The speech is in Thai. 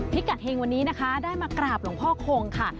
พิกัดเฮงวันนี้นะคะได้มากราบหลวงพ่อคงค่ะ